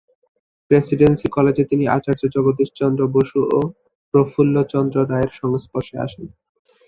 Presidency কলেজে তিনি আচার্য জগদীশ চন্দ্র বসু ও প্রফুল্লচন্দ্র রায়ের সংস্পর্শে আসেন।